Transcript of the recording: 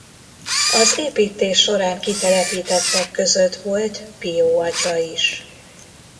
Az építés során kitelepítettek között volt Pio atya is.